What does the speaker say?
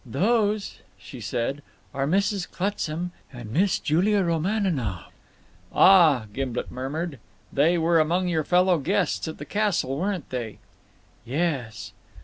"Those," she said, "are Mrs. Clutsam and Miss Julia Romaninov." "Ah," Gimblet murmured. "They were among your fellow guests at the castle, weren't they?" "Yes."